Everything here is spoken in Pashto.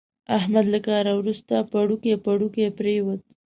احمد له کار ورسته پړوکی پړوکی پرېوت.